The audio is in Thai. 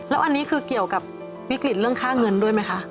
แล้วอันนี้คือเกี่ยวกับวิกฤตเรื่องค่าเงินด้วยไหมคะ